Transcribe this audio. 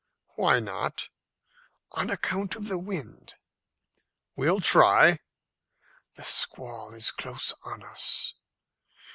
"Why not?" "On account of the wind." "We'll try." "The squall is close on us."